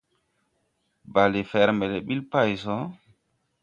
Bale fɛr mbɛ ɓil pay so.